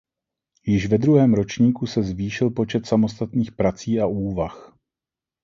Již ve druhém ročníku se zvýšil počet samostatných prací a úvah.